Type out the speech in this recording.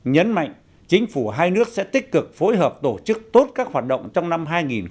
nhấn mạnh chính phủ hai nước sẽ tích cực phối hợp tổ chức tốt các hoạt động trong năm hai nghìn hai mươi